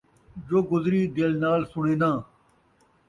جو گذری دل نال سݨینداں